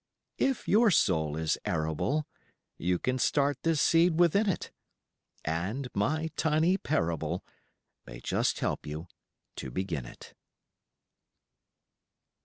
If your soul is arable You can start this seed within it, And my tiny parable May just help you to begin it.